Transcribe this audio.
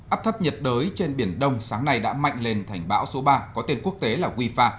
áp thấp nhiệt đới trên biển đông sáng nay đã mạnh lên thành bão số ba có tên quốc tế là wifa